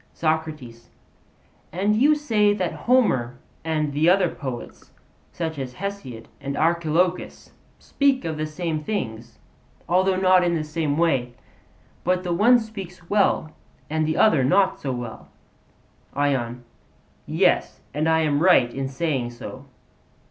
SOCRATES: And you say that Homer and the other poets, such as Hesiod and Archilochus, speak of the same things, although not in the same way; but the one speaks well and the other not so well? ION: Yes; and I am right in saying so.